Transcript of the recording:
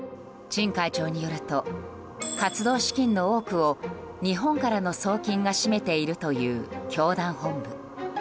チン会長によると活動資金の多くを日本からの送金が占めているという教団本部。